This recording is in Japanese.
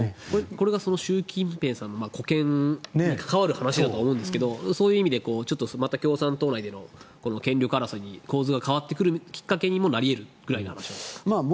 これが習近平さんの沽券に関わる話だと思うんですがそういう意味でまた共産党内での権力争いに構図が変わってくるきっかけにもなり得るくらいの話ですか。